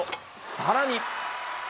さらに。